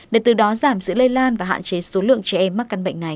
để từ đó giảm sự lây lan và hạn chế số lượng trẻ em mắc căn bệnh này